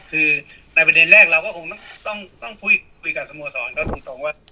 คือในประเด็นแรกเราก็คงต้องพูดคุยกับสโมสรเขาตรงว่า